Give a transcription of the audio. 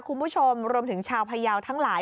คุณผู้ชมรวมถึงชาวพยาวทั้งหลาย